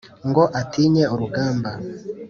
ngo atinye urugamba